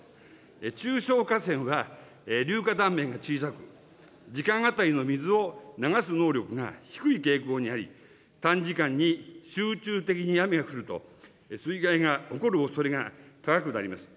中小河川は流下断面が小さく、時間当たりの水を流す能力が低い傾向にあり、短時間に集中的に雨が降ると、水害が起こるおそれが高くなります。